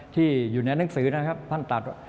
ที่อยู่ในหนังสือนะครับท่านตัด